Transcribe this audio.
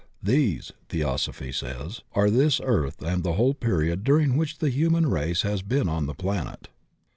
These, Theosophy says, are this earth and the whole period during which the human race has been on the planet.